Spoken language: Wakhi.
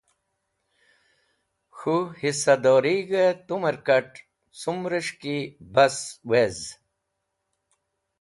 K̃hũ hisadorig̃hẽ tumẽr kat̃ cumrẽs̃h ki bas wez.